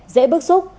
dễ bức xúc